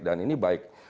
dan ini baik